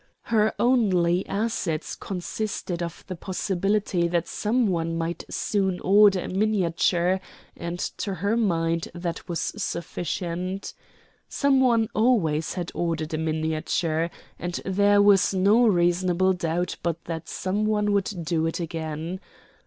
Her only assets consisted of the possibility that some one might soon order a miniature, and to her mind that was sufficient. Some one always had ordered a miniature, and there was no reasonable doubt but that some one would do it again.